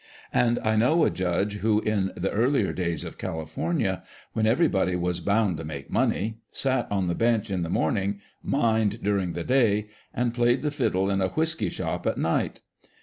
And I know a judge who, in the earlier days of California, when everybody was " bound to make money," sat on the bench in the morning, mined during the day, and played the fiddle in a whisky shop at night.